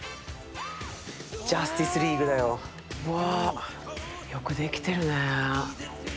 「ジャスティス・リーグ」だよ、よくできてるね。